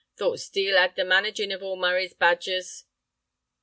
"Thought Steel 'ad the managin' of all Murray's badgers."